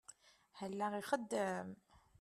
Allaɣ ixeddem.